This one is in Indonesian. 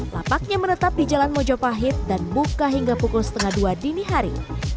lapaknya menetap di jalan mojopahit dan buka hingga pukul setengah dua dini hari